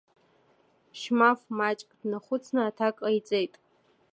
Шьмаф маҷк днахәыцны аҭак ҟаиҵеит.